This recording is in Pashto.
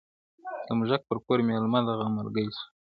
• د موږک پر کور مېلمه د غم مرګی سو,